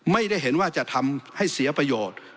ไม่ได้เห็นว่าจะทำให้เสียประโยชน์